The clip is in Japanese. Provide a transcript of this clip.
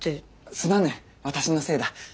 すまぬ私のせいだ。